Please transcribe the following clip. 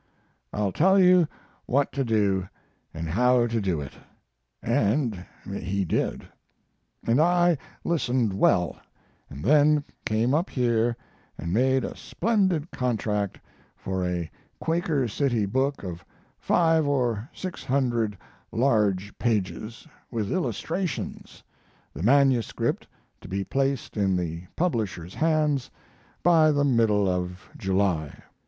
I'll tell you what to do and how to do it." And he did. And I listened well, and then came up here and made a splendid contract for a Quaker City book of 5 or 600 large pages, with illustrations, the manuscript to be placed in the publisher's hands by the middle of July.